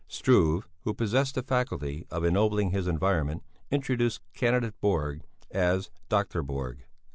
Struve, who possessed the faculty of ennobling his environment, introduced Candidate Borg as Dr. Borg.